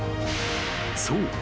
［そう。